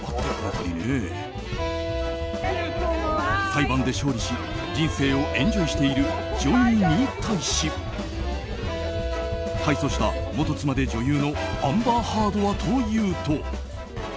裁判で勝利し人生をエンジョイしているジョニーに対し敗訴した元妻で女優のアンバー・ハードはというと。